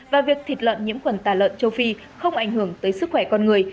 và việc thịt lợn nhiễm khuẩn tà lợn châu phi không ảnh hưởng tới sức khỏe con người